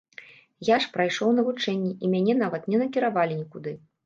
Я ж прайшоў навучанне і мяне нават не накіравалі нікуды.